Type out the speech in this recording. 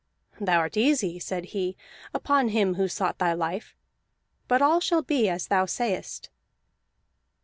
"Thou art easy," said he, "upon him who sought thy life; but all shall be as thou sayest."